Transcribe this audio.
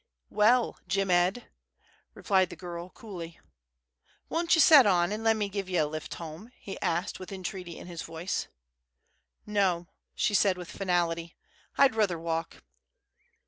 "Well, Jim Ed!" replied the girl, coolly. "Won't ye set on an' let me give ye a lift home?" he asked, with entreaty in his voice. "No," she said, with finality: "I'd ruther walk."